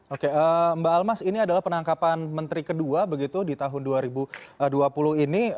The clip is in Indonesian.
oke mbak almas ini adalah penangkapan menteri kedua begitu di tahun dua ribu dua puluh ini